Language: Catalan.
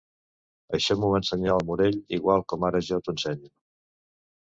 Això m'ho va ensenyar el Morell igual com ara jo t'ho ensenyo.